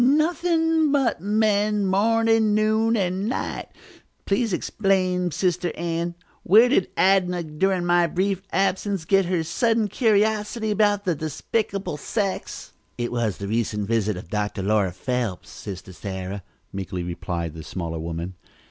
Nothing but men, morning, noon and night. Please explain, Sister Ann! Where did Adnah, during my brief absence, get her sudden curiosity about the despicable sex?" "It was the recent visit of Doctor Laura Phelps, Sister Sarah," meekly replied the smaller woman.